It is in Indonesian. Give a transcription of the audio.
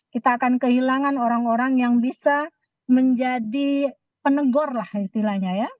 kita akan kehilangan orang orang yang bisa menjadi penegor lah istilahnya ya